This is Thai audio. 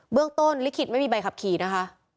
เรื่องต้นลิขิตไม่มีใบขับขี่นะคะ